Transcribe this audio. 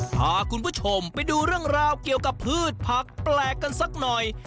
พาคุณผู้ชมไปดูเรื่องราวเกี่ยวกับพืชผักแปลกกันสักหน่อย